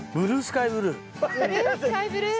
ブルースカイブルー。